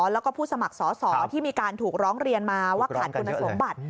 แล้วก็ผู้สมัครสอสอที่มีการถูกร้องเรียนมาว่าขาดคุณสมบัติ